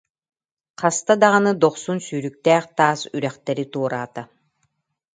Хаста даҕаны дохсун сүүрүктээх таас үрэхтэри туораата